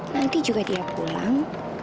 nanti juga dia pulang